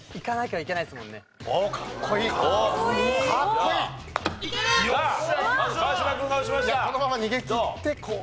いやこのまま逃げ切ってこう。